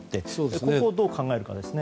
そこをどう考えるかですよね。